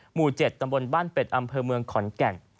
หมู่๗ตำบลบ้านเป็ดอำเภอเมืองขอนแก่น